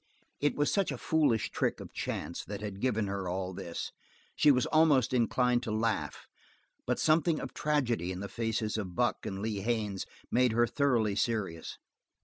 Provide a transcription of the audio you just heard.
It was such a foolish trick of chance that had given her all this, she was almost inclined to laugh, but something of tragedy in the faces of Buck and Lee Haines made her thoroughly serious.